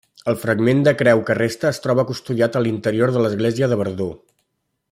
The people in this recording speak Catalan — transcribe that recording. El fragment de creu que resta es troba custodiat en l'interior de l'església de Verdú.